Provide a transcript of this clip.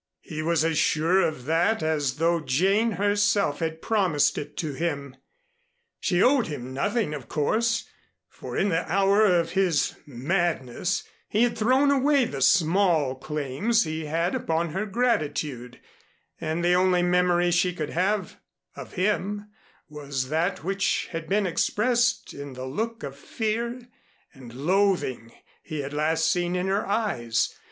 He was as sure of that as though Jane herself had promised it to him. She owed him nothing, of course, for in the hour of his madness he had thrown away the small claims he had upon her gratitude, and the only memory she could have of him was that which had been expressed in the look of fear and loathing he had last seen in her eyes.